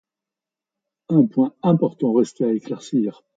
Un point important restait à éclaircir.